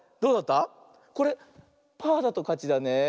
これパーだとかちだねえ。